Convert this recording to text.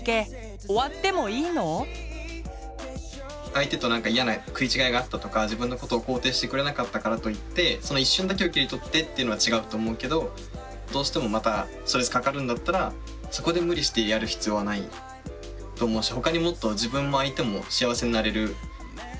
相手とイヤな食い違いがあったとか自分のことを肯定してくれなかったからといってその一瞬だけを切り取ってっていうのは違うと思うけどどうしてもまたストレスかかるんだったらそこで無理してやる必要はないと思うしああなるほど。